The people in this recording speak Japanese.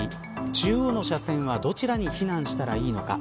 中央の車線はどちらに避難したらいいのか。